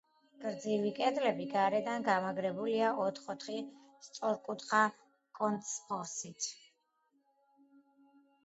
გრძივი კედლები გარედან გამაგრებულია ოთხ-ოთხი სწორკუთხა კონტრფორსით.